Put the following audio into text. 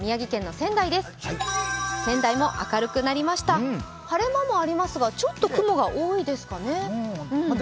仙台も明るくなりました、晴れ間もありますが、ちょっと雲が多いですかね。